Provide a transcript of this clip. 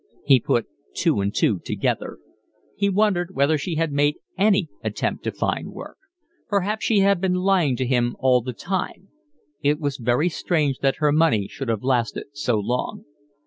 He put two and two together. He wondered whether she had made any attempt to find work. Perhaps she had been lying to him all the time. It was very strange that her money should have lasted so long.